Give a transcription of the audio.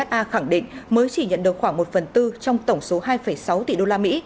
oa khẳng định mới chỉ nhận được khoảng một phần tư trong tổng số hai sáu tỷ đô la mỹ